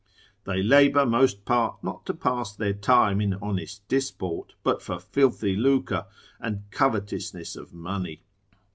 They labour most part not to pass their time in honest disport, but for filthy lucre, and covetousness of money.